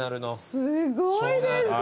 すごいですよー。